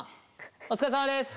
お疲れさまです。